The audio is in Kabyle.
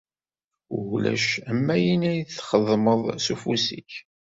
Ulac am ayen ara txedmeḍ s ufus-ik.